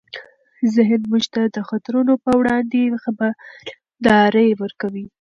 ذهن موږ د خطرونو پر وړاندې خبرداری ورکوي.